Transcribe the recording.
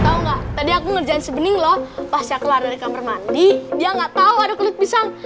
tau gak tadi aku ngerjain si bening loh pas dia keluar dari kamar mandi dia gak tau ada kulit pisang